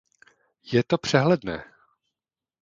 Je to přehledné.